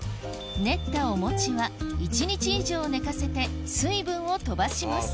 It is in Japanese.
練ったお餅は一日以上寝かせて水分を飛ばします